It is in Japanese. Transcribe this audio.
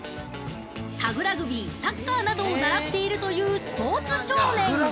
タグラグビー、サッカーなどを習っているというスポーツ少年！